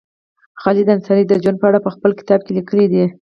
خالد انصاري د جون په اړه په خپل کتاب کې لیکلي دي